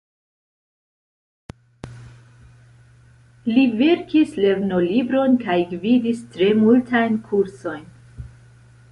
Li verkis lernolibron kaj gvidis tre multajn kursojn.